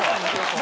何？